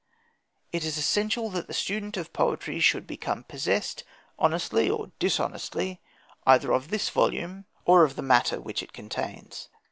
It is essential that the student of poetry should become possessed, honestly or dishonestly, either of this volume or of the matter which it contains.